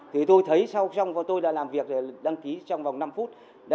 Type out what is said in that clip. thì tôi thấy sau khi tôi đã làm việc để đăng ký trong vòng năm phút